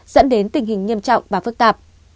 dẫn đến tình hình nghiêm trọng và phức tạp